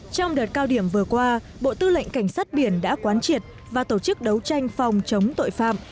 trong đợt cao điểm vừa qua bộ tư lệnh cảnh sát biển đã quán triệt và tổ chức đấu tranh phòng chống tội phạm